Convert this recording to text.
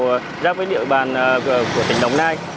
điểm đầu ra với địa bàn của tỉnh đồng nai